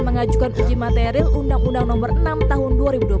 mengajukan uji material undang undang nomor enam tahun dua ribu dua puluh